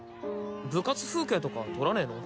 部活風景とか撮らねえの？